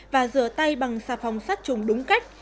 và rửa tay bằng xà phòng sát trùng đúng cách